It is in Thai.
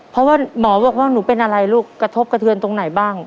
เพราะว่าหมอบอกว่าหนูเป็นอะไรลูกกระทบกระเทือนตรงไหนบ้าง